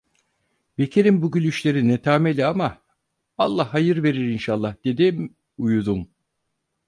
Bekir'in bu gülüşleri netameli ama, Allah hayır verir inşallah dedim, uyudum.